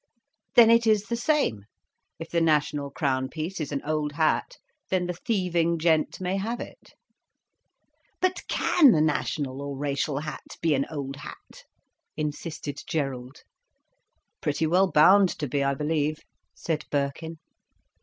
"Then it is the same. If the national crown piece is an old hat, then the thieving gent may have it." "But can the national or racial hat be an old hat?" insisted Gerald. "Pretty well bound to be, I believe," said Birkin.